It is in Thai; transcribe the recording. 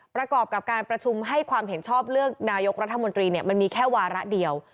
ประกอบกับการประชุมให้ความเห็นชอบเลือกนายกรัฐมนตรีมันมีแค่วาระเดียว